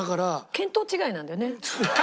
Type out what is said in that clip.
見当違いなんだよね。